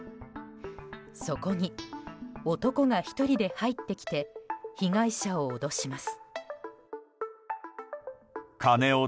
そこに男が１人で入ってきて被害者を脅します。